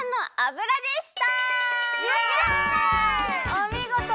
おみごと！